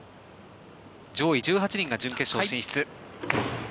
上位１８人が準決勝進出。